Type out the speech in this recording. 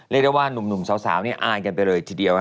เรียกได้ว่านุ่มสาวอายกันไปเลยทีเดียว